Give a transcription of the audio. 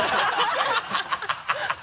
ハハハ